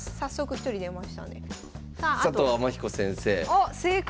あっ正解！